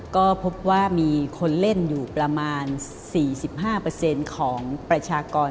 ก็พบว่ามีคนเล่นอยู่ประมาณ๔๕ของประชากร